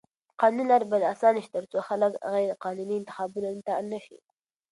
قانوني لارې بايد اسانه شي تر څو خلک غيرقانوني انتخابونو ته اړ نه شي.